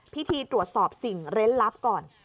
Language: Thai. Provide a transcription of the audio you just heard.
พิธีตรวจสอบสิ่งเล่นลับก่อน